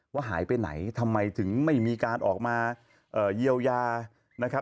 ว่าหายไปไหนทำไมถึงไม่มีการออกมาเยียวยานะครับ